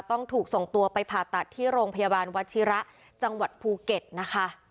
ต้องถูกส่งตัวไปผ่าตัดที่โรงพยาบาลวัชิระจังหวัดภูเก็ตนะคะ